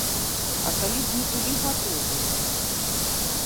А калі б не былі гатовыя?